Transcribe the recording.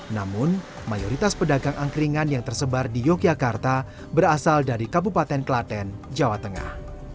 namun mayoritas pedagang angkringan yang tersebar di yogyakarta berasal dari kabupaten kelaten jawa tengah